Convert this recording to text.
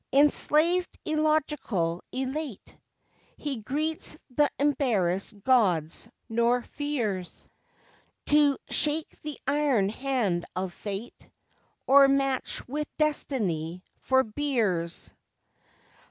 Enslaved, illogical, elate, He greets th' embarrassed Gods, nor fears To shake the iron hand of Fate Or match with Destiny for beers.